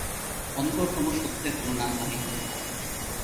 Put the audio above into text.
অন্তরতম সত্যের কোন নাম আমি দিব না।